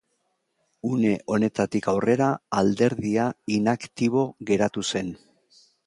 Une honetatik aurrera alderdia inaktibo geratu zen.